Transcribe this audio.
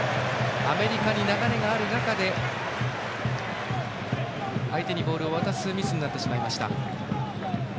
アメリカに流れがある中で相手にボールを渡すミスになってしまいました。